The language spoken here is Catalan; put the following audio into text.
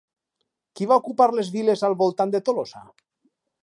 Qui va ocupar les viles al voltant de Tolosa?